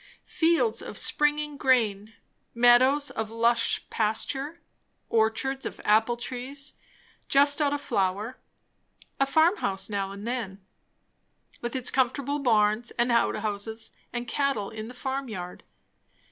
Fields of springing grain; meadows of lush pasture; orchards of apple trees just out of flower; a farmhouse now and then, with its comfortable barns and outhouses and cattle in the farmyard.